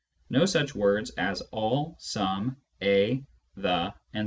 no such words as all, some, a, the, etc.)